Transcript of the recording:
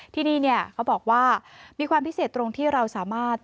ที่นี่เขาบอกว่ามีความพิเศษตรงที่เราสามารถ